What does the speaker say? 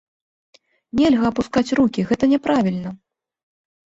Нельга апускаць рукі, гэта няправільна!